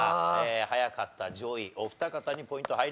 早かった上位お二方にポイント入りますが。